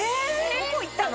・どこ行ったの？